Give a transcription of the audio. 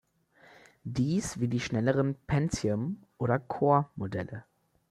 Dies wie die schnelleren Pentium- oder Core-Modelle.